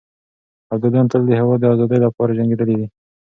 ابداليان تل د هېواد د ازادۍ لپاره جنګېدلي دي.